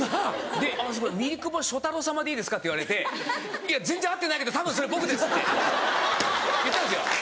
で「ミリクボショタロ様でいいですか？」って言われて「全然合ってないけどたぶんそれ僕です」って言ったんですよ。